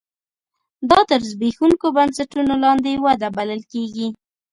دا تر زبېښونکو بنسټونو لاندې وده بلل کېږي.